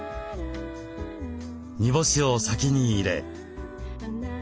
煮干しを先に入れ。